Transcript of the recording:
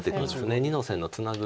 ２の線のツナぐ